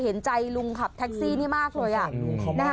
เห็นใจลุงขับแท็กซี่นี่มากเลย